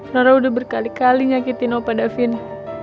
rara udah berkali kali nyakitin opa daphine